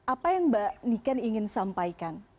apa yang mbak niken ingin sampaikan